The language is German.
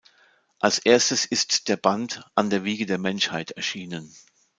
Als erstes ist der Band „An der Wiege der Menschheit“ erschienen.